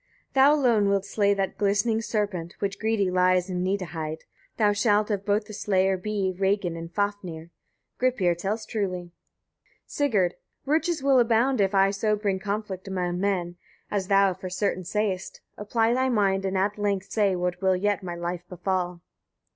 11. Thou alone wilt slay that glistening serpent, which greedy lies on Gnitaheid; thou shalt of both the slayer be, Regin and Fafnir. Gripir tells truly. Sigurd. 12. Riches will abound, if I so bring conflict among men, as thou for certain sayest. Apply thy mind, and at length say what will yet my life befall.